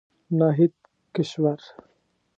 ناهيد کشور